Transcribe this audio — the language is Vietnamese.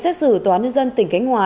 xét xử tòa án nhân dân tỉnh cánh hòa